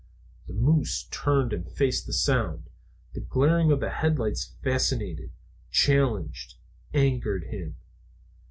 The moose turned and faced the sound. The glare of the headlight fascinated, challenged, angered him.